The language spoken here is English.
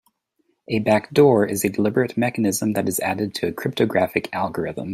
A backdoor is a deliberate mechanism that is added to a cryptographic algorithm.